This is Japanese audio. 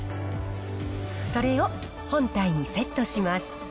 それを本体にセットします。